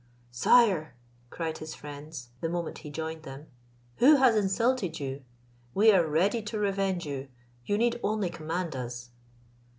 "Sire," cried his friends, the moment he joined them, "who has insulted you? We are ready to revenge you: you need only command us."